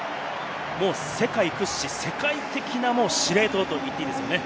もう世界屈指、世界的な司令塔と言っていいですね？